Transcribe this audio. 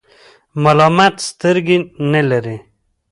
ملامت سترګي نلری .